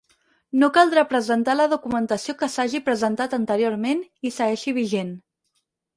No caldrà presentar la documentació que s'hagi presentat anteriorment i segueixi vigent.